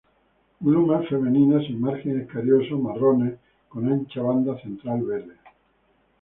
Glumas femeninas sin margen escarioso, marrones, con ancha banda central verde.